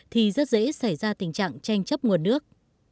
thì rất dễ xảy ra tình trạng tranh chấp nguồn nước